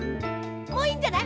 もういいんじゃない？